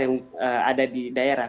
yang ada di daerah